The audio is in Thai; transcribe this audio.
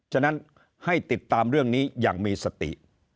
ฉะนั้นให้ติดตามเรื่องนี้อย่างมีสติ